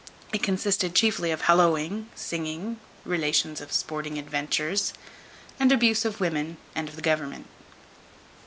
It consisted chiefly of hallowing, singing, relations of sporting adventures, b d y, and abuse of women, and of the government.